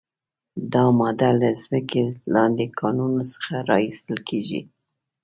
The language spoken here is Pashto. دا ماده له ځمکې لاندې کانونو څخه را ایستل کیږي.